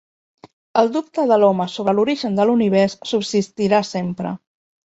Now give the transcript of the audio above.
El dubte de l'home sobre l'origen de l'Univers subsistirà sempre.